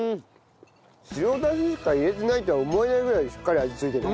白だししか入れてないとは思えないぐらいしっかり味ついてる。